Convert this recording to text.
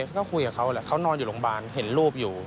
เขาก็คุยกับเขาแหละเขานอนอยู่โรงพยาบาลเห็นรูปอยู่